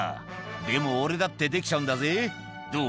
「でも俺だってできちゃうんだぜどう？